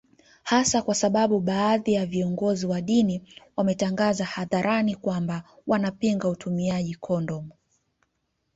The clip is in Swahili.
Hasa kwa sababu baadhi ya viongozi wa dini wametangaza hadharani kwamba wanapinga utumiaji kondomu